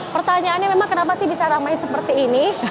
pertanyaannya memang kenapa sih bisa ramai seperti ini